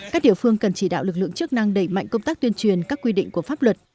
các địa phương cần chỉ đạo lực lượng chức năng đẩy mạnh công tác tuyên truyền các quy định của pháp luật